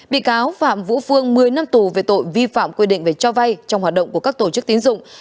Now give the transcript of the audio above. bị cáo phạm vũ phương một mươi năm tù về tội vi phạm quy định về cho vay trong hoạt động của các tổ chức tín dụng